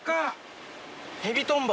ヘビトンボ。